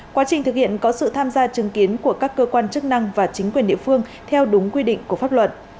quá trình thực hiện có sự tham gia chứng kiến của các cơ quan chức năng và chính quyền địa phương theo đúng quy định của pháp luật